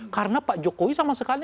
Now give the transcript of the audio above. karena pak jokowi sama sekali